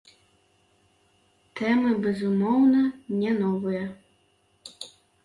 Тэмы, безумоўна, не новыя.